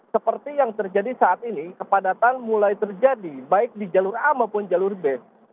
seperti yang terjadi saat ini kepadatan mulai terjadi baik di jalur a maupun jalur b